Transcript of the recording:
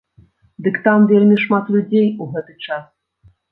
Дык там вельмі шмат людзей у гэты час.